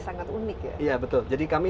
sangat unik ya betul jadi kami